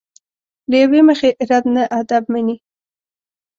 له یوې مخې رد نه ادب مني.